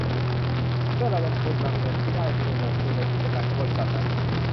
เพื่อระดมทุนนำเงินที่ได้ไปลงทุนในกิจการของบริษัทนั้น